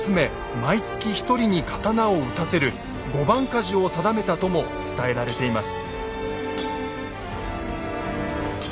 毎月１人に刀を打たせる「御番鍛冶」を定めたとも伝えられています。